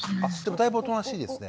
だいぶおとなしいですね。